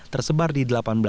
tersebar di delapan belas